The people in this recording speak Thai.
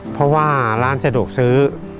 เพราะว่าร้านสะดวกซื้อ